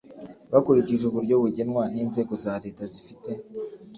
bakurikije uburyo bugenwa n Inzego za Leta zifite